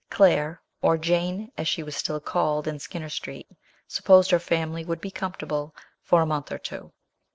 Claire or Jane, as she was still 90 MBS. SHELLEY. called in Skinner Street supposed her family would be comfortable for a month or two.